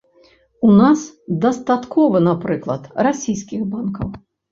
У нас дастаткова, напрыклад, расійскіх банкаў.